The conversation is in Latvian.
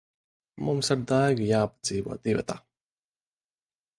Mums ar Daigu jāpadzīvo divatā.